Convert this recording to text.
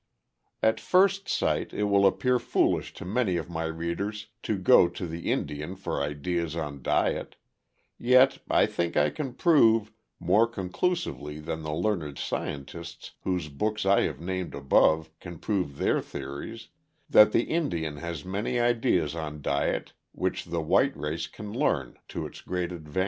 At first sight it will appear foolish to many of my readers to go to the Indian for ideas on diet, yet I think I can prove, more conclusively than the learned scientists whose books I have named above can prove their theories, that the Indian has many ideas on diet which the white race can learn to its great advantage.